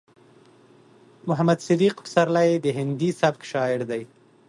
محمد صديق پسرلی د هندي سبک شاعر دی.